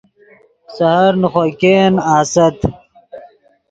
سحر نے خوئے ګئین آست